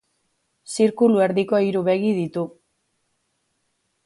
Zirkulu erdiko hiru begi ditu.